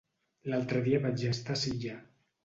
L'altre dia vaig estar a Silla.